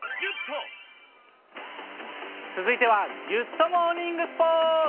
続いてはギュッとモーニングスポーツ。